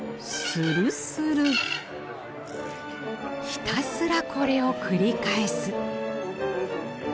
ひたすらこれを繰り返す。